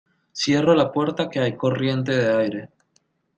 Cierra la puerta que hay corriente de aire.